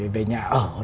về nhà ở